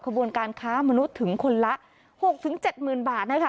กระบวนการค้ามนุษย์ถึงคนละ๖๗หมื่นบาทนะคะ